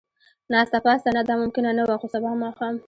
ناسته پاسته، نه دا ممکنه نه وه، خو سبا ماښام.